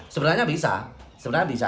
sebenarnya bisa sebenarnya bisa